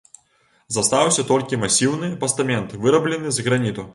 Застаўся толькі масіўны пастамент, выраблены з граніту.